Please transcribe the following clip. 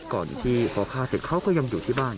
ก่อนที่พอฆ่าเสร็จเขาก็ยังอยู่ที่บ้าน